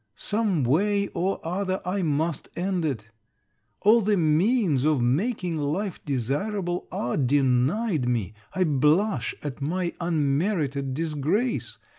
Some way or other I must end it. All the means of making life desirable are denied me. I blush at my unmerited disgrace.